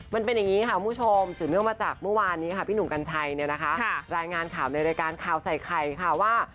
มันเป็นอย่างนี้ค่ะคุณผู้ชมสืบเนื่องมาจากเมื่อวานนี้ค่ะพี่หนุ่มกัญชัยเนี่ยนะคะรายงานข่าวในรายการข่าวใส่ไข่ค่ะว่า